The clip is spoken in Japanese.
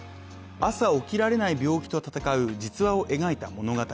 朝、起きられない病気と闘う実話を描いた物語。